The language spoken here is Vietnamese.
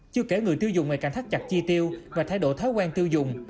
chưa kể người tiêu dùng ngày càng thắt chặt chi tiêu và thái độ thói quen tiêu dùng